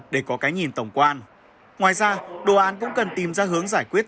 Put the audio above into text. để có cái nhìn tổng quan ngoài ra đồ án cũng cần tìm ra hướng giải quyết